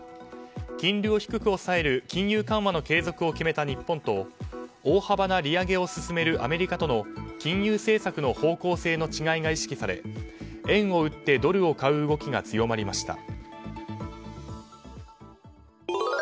金利を低く抑える金融緩和の継続を決めた日本と大幅な利上げを進めるアメリカとの金融政策の方向性の違いが意識され円を売ってドルを買う動きが強まりました。